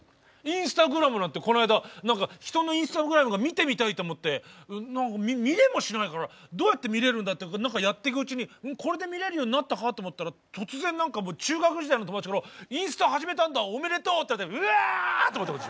インスタグラムなんてこないだ何か人のインスタグラムが見てみたいと思って見れもしないからどうやって見れるんだって何かやってくうちにこれで見れるようになったかと思ったら突然何かもう中学時代の友達から「インスタ始めたんだおめでとう」って言われてうわって思って私。